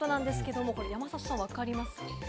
山里さん、分かります？